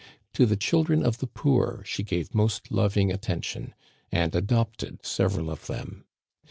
To the children of the poor she gave most loving attention, and adopted several of them.